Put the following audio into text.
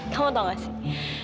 kamu tau gak sih